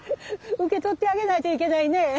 受け取ってあげないといけないね。